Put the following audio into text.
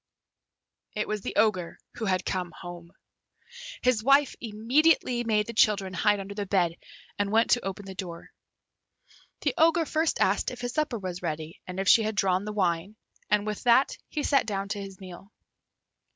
It was the Ogre who had come home. His wife immediately made the children hide under the bed, and went to open the door. The Ogre first asked if his supper was ready and if she had drawn the wine, and with that he sat down to his meal.